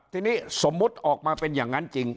ทีนี้สมมุติออกมาเป็นอย่างนั้นจริง